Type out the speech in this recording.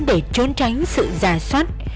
để trốn tránh sự giả soát